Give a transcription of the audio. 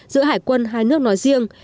giữa hải quân hai nước nói riêng